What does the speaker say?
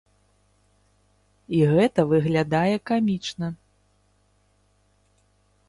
І гэта выглядае камічна.